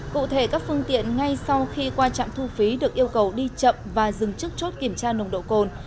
cụ thể các phương tiện ngay sau khi qua trạm thu phí được yêu cầu đi chậm và dừng chức chốt kiểm tra nồng độ cồn